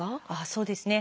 そうですね。